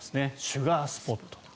シュガースポット。